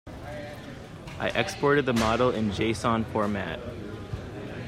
I exported the model in json format.